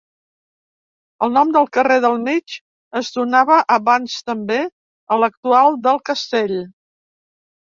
El nom del carrer del Mig es donava abans també a l'actual del castell.